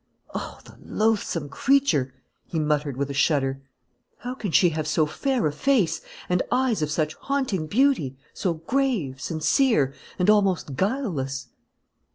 "Oh, the loathsome creature!" he muttered, with a shudder. "How can she have so fair a face, and eyes of such haunting beauty, so grave, sincere, and almost guileless?"